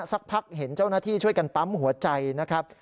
สักพักเห็นเจ้าหน้าที่ช่วยกันปั๊มหัวใจนะครับ